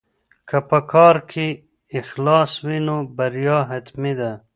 که په کار کې اخلاص وي نو بریا حتمي ده.